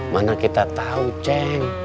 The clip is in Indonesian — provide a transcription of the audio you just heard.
mana kita tau ceng